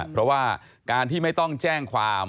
เพราะว่าการที่ไม่ต้องแจ้งความ